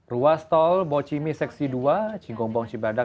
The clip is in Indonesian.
ruas tol bochimi seksi dua cinggombong cibadak